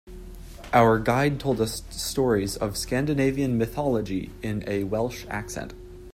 Our guide told us stories of Scandinavian mythology in a Welsh accent.